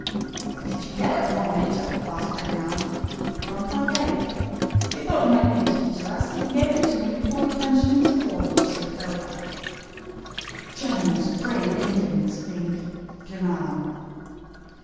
"Where did you get it from, Major," asked Paganel. "From Thalcave. He thought it might be useful to us, and gave it to me before he plunged into the water to save Thaouka." "Generous, brave Indian!" exclaimed Glenarvan.